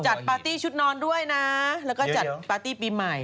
ปาร์ตี้ชุดนอนด้วยนะแล้วก็จัดปาร์ตี้ปีใหม่